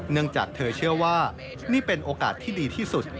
เนื่องจากเธอเชื่อว่านี่เป็นโอกาสที่ดีที่สุด